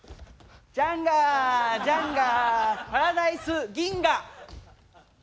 「ジャンガジャンガ」「パラダイス銀河」